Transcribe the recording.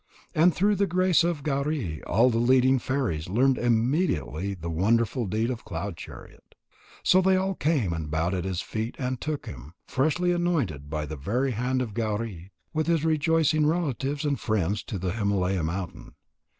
And through the grace of Gauri all the leading fairies learned immediately the wonderful deed of Cloud chariot. So they all came and bowed at his feet and took him, freshly anointed by the very hand of Gauri, with his rejoicing relatives and friends to the Himalaya mountain.